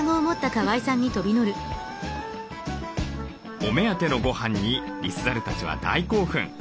お目当てのごはんにリスザルたちは大興奮。